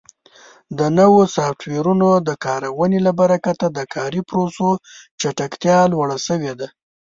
د نوو سافټویرونو د کارونې له برکت د کاري پروسو چټکتیا لوړه شوې ده.